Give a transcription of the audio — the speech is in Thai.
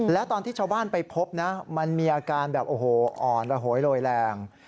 แล้วตอนที่ชาวบ้านไปพบนะมันมีอาการแบบโอ้โหอ่อนระโหยโรยแรง